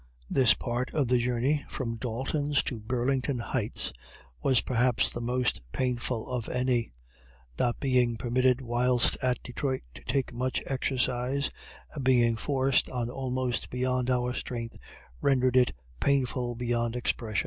This part of the journey, from Dalton's to Burlington Heights, was, perhaps, the most painful of any; not being permitted whilst at Detroit to take much exercise, and being forced on almost beyond our strength, rendered it painful beyond expression.